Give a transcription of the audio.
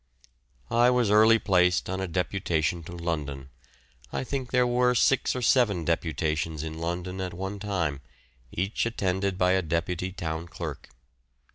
I was early placed on a deputation to London. I think there were six or seven deputations in London at one time, each attended by a deputy town clerk.